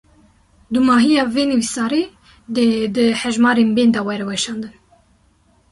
Dûmahiya vê nivîsarê, dê di hejmarên bên de were weşandin